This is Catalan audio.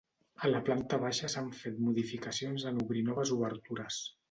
A la planta baixa s'han fet modificacions en obrir noves obertures.